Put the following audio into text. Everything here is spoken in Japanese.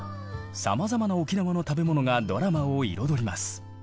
さまざまな沖縄の食べ物がドラマを彩ります。